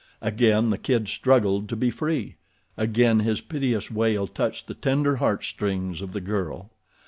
Again the kid struggled to be free. Again his piteous wail touched the tender heart strings of the girl.